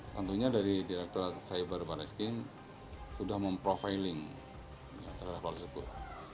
tentunya dari direkturat cyber barreskrim sudah memprofiling terhadap hal tersebut